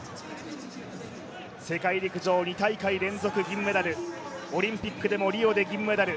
世界陸上２大会連続銀メダルオリンピックでもリオで銀メダル。